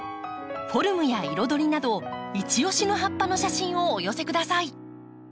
フォルムや彩りなどいち押しの葉っぱの写真をお寄せください。